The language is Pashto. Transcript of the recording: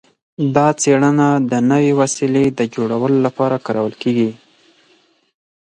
دا څیړنه د نوې وسیلې د جوړولو لپاره کارول کیږي.